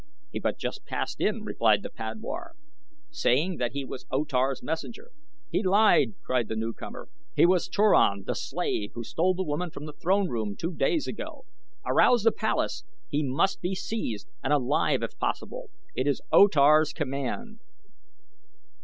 "He but just passed in," replied the padwar, "saying that he was O Tar's messenger." "He lied," cried the newcomer. "He was Turan, the slave, who stole the woman from the throne room two days since. Arouse the palace! He must be seized, and alive if possible. It is O Tar's command."